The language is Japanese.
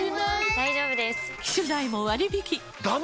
大丈夫です！